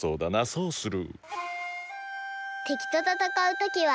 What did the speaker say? そうする。